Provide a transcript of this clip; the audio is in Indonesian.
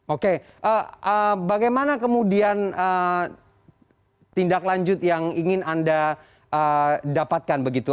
oke bagaimana kemudian tindak lanjut yang ingin anda dapatkan begitu